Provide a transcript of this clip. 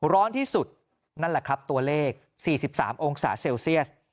ร้อนที่สุดนั่นแหละครับตัวเลข๔๓องศาเซลเซียส